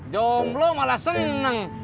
jomblo malah seneng